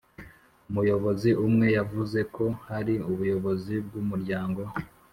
Umuyobozi mwe yavuze ko hari ubuyobozi bw umuryango